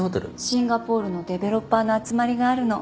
シンガポールのデベロッパーの集まりがあるの。